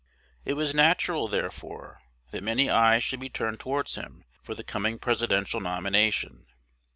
It was natural, therefore, that many eyes should be turned towards him for the coming Presidential nomination.